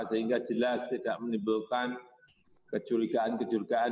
sehingga jelas tidak menimbulkan kejurigaan kejurigaan